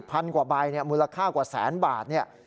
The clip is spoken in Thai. พันกว่าใบเนี่ยมูลค่ากว่าแสนบาทเนี่ย